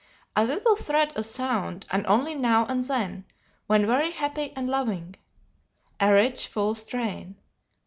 ] "A little thread of sound, and only now and then, when very happy and loving, a rich, full strain.